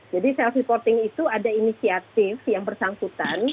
jadi self reporting itu ada inisiatif yang bersangkutan